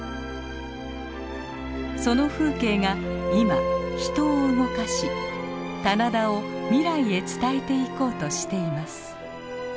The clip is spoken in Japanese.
その風景が今人を動かし棚田を未来へ伝えていこうとしています。